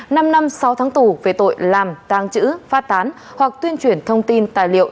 năm năm sau tháng tù về tội làm tàng chữ phát tán hoặc tuyên truyền thông tin tài liệu